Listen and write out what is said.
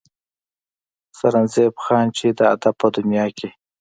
سرنزېب خان چې د ادب پۀ دنيا کښې